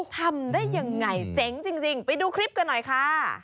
ทำได้ยังไงเจ๋งจริงไปดูคลิปกันหน่อยค่ะ